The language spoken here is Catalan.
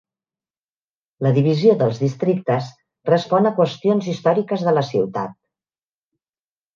La divisió dels districtes respon a qüestions històriques de la ciutat.